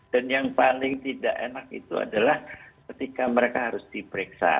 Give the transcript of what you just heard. dan yang paling tidak enak itu adalah ketika mereka harus diperiksa